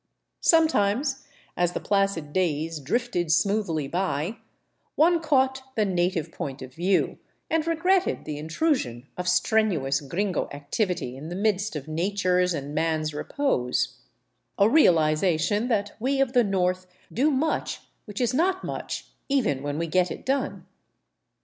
Sometimes, as the placid days drifted smoothly by, one caught the native point of view, and regretted the intrusion of strenuous gringo activity in the midst of nature's and man's repose; a realization that we of the North do much which is not much even when we get it done.